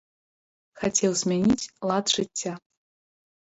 Хацеў змяніць лад жыцця.